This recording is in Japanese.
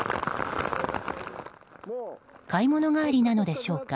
買い物帰りなのでしょうか。